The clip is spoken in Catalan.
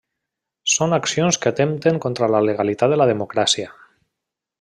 Són accions que atempten contra la legalitat de la democràcia.